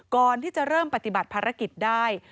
ก่อนที่จะเริ่มปฏิบัติภารกิจได้